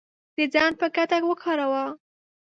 د ځان په ګټه وکاروله